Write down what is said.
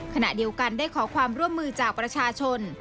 ขณะเดียวกันได้ขอความร่วมมือจากประชาชน